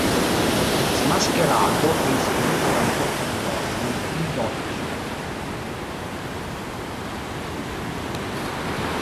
Smascherato e inseguito dalle forze dell'ordine, il dott.